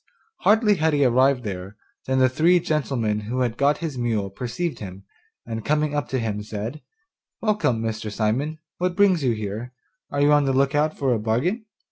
Hardly had he arrived there, than the three gentlemen who had got his mule perceived him, and coming up to him said: 'Welcome, Mr. Simon, what brings you here; are you on the look out for a bargain?